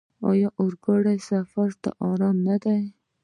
آیا د اورګاډي سفر ارام نه دی؟